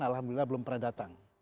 alhamdulillah belum pernah datang